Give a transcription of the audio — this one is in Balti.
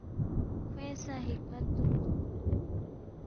کھوینگ سہ حکمت دُوکتُوک